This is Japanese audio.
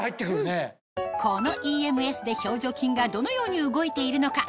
このＥＭＳで表情筋がどのように動いているのか？